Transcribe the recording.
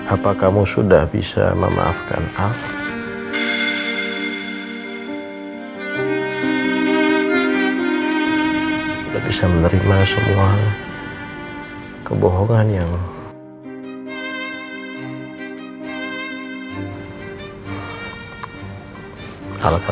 apa kamu sudah bisa memaafkan al